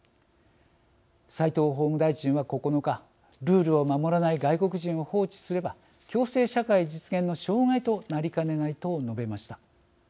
齋藤法務大臣は９日ルールを守らない外国人を放置すれば共生社会実現の障害となりかねないと述べました。